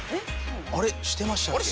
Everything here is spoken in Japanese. あれしてましたっけ？